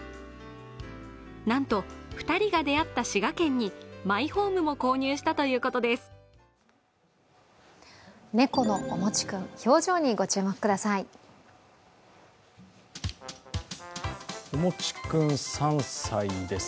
なんと２人が出会った滋賀県にマイホームも購入したということです。